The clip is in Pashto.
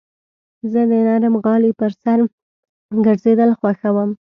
زه د نرم غالۍ پر سر ګرځېدل خوښوم.